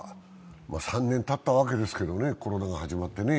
３年たったわけですけどもね、コロナが始まってね。